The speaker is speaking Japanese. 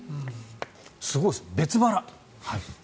すごいですよ、別腹。